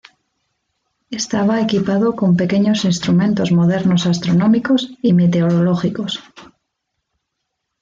Estaba equipado con pequeños instrumentos modernos astronómicos y meteorológicos.